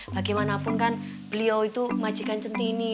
bagaimanapun kan beliau itu majikan centini